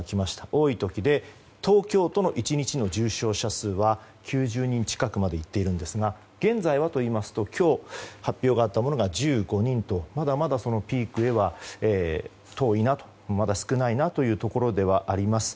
多い時で東京都の１日の重症者数は９０人近くまでいっているんですが現在はといいますと今日発表あったもので１５人とまだまだピークへは遠いなとまだ少ないなというところではあります。